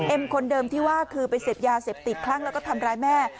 คนเดิมที่ว่าคือไปเสพยาเสพติดคลั่งแล้วก็ทำร้ายแม่